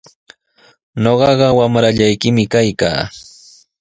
Ñuqaqa wamrallaykimi kaykaa.